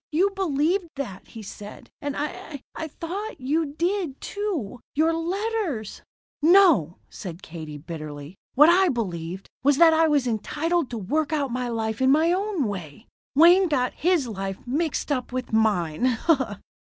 You believed that, he said. And I I thought you did, too. Your letters " "No," said Katie bitterly, "what I believed was that I was entitled to work out my life in my own way. Wayne got his life mixed up with mine."